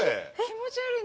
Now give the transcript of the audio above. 気持ち悪い。